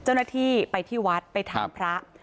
เจ้าหน้าที่ไปที่วัดไปถามพระ